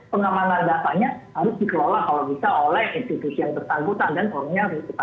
pengamanan datanya harus dikelola kalau bisa oleh institusi yang bersangkutan dan formil